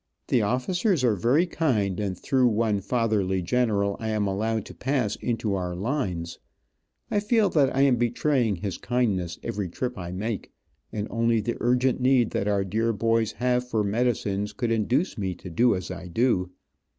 The officers are very kind and through one fatherly general I am allowed to pass into our lines. I feel that I am betraying his kindness every trip I make, and only the urgent need that our dear boys have for medicines could induce me to do as I do.